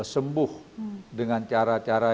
sembuh dengan cara cara